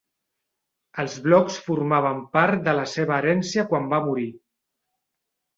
Els blocs formaven part de la seva herència quan va morir.